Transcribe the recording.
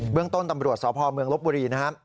เรื่องต้นตำรวจสพเมืองลบบุรีนะครับ